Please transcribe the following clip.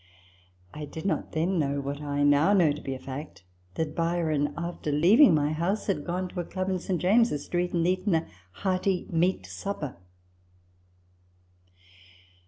I did not then know, what I now know to be a fact, that Byron, after leaving my house, had gone to a Club in St. James's Street and eaten a hearty meat supper.